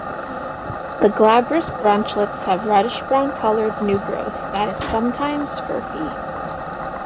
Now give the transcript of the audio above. The glabrous branchlets have reddish brown coloured new growth that is sometimes scurfy.